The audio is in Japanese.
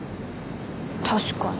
確かに。